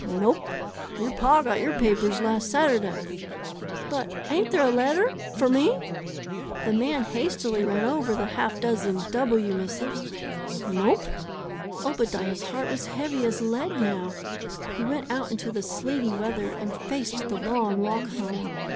"Nope; your pa got your papers last Saturday." "But ain't there a letter for me?" The man hastily ran over the half dozen "W" missives. "Nope." Obadiah's heart was heavy as lead now. He went out into the sleety weather and faced the long walk home.